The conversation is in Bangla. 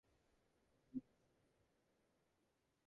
টুপি টা নিয়ে আসি।